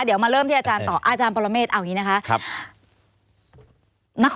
เดี๋ยวมาเริ่มที่อาจารย์ต่ออาจารย์ปรเมฆเอาอย่างนี้นะคะ